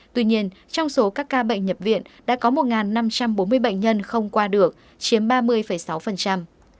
tuy nhiên trong số các ca bệnh nhập viện đã có một năm trăm bốn mươi bệnh nhân không qua được chiếm ba mươi sáu